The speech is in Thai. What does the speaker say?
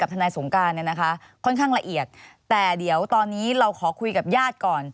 ทนายสงการเนี่ยนะคะค่อนข้างละเอียดแต่เดี๋ยวตอนนี้เราขอคุยกับญาติก่อน